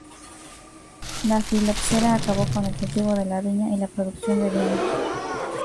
La filoxera acabó con el cultivo de la viña y la producción de vinos.